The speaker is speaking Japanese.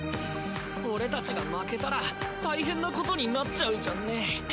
俺たちが負けたら大変なことになっちゃうじゃんね。